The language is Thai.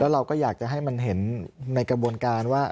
เราก็อยากจะให้มันเห็นในกระบวนการว่า